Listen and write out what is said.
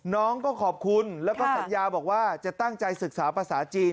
น้องก็ขอบคุณแล้วก็สัญญาบอกว่าจะตั้งใจศึกษาภาษาจีน